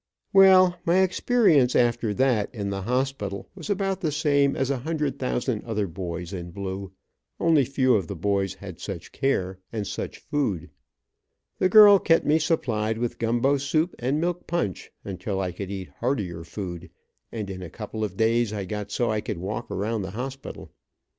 Well, my experience after that, in the hospital, was about the same as a hundred thousand other boys in blue, only few of the boys had such care, and such food. The girl kept me supplied with gumbo soup and milk punch until I could eat heartier food, and in a couple of days I got so I could walk around the hospital.